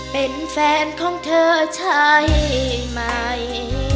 เป็นแฟนของเธอใช่ไหม